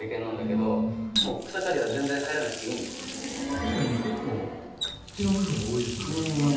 確かに結構土の部分が多いですよね。